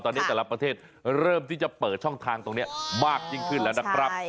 ตอนนี้แต่ละประเทศเริ่มที่จะเปิดช่องทางตรงนี้มากยิ่งขึ้นแล้วนะครับ